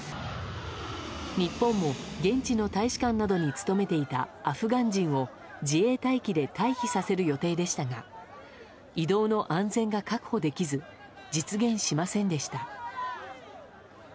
日本も現地の大使館などに勤めていたアフガン人を自衛隊機で退避させる予定でしたが移動の安全が確保できず実現しませんでした。